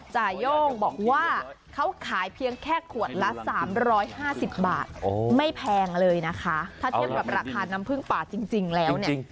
จ่าย่งบอกว่าเขาขายเพียงแค่ขวดละ๓๕๐บาทไม่แพงเลยนะคะถ้าเทียบกับราคาน้ำพึ่งป่าจริงแล้วเนี่ย